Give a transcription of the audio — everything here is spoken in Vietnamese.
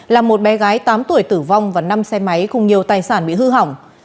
là một bé gái tám tuổi tử vong và năm xe máy cùng nhiều tài sản bị hư hỏng